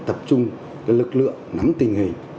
tập trung lực lượng nắm tình hình